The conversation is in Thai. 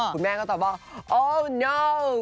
คุณแม่ก็ตอบว่าโอ้วน้าว